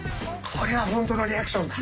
これは本当のリアクションだ。